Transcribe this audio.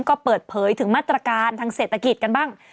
ก็เปิดเผยถึงมาตรการทางเศรษฐกิจกันบ้าง